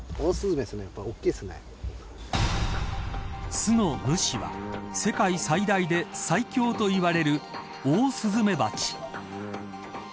巣の主は世界最大で最凶といわれるオオスズメバチ。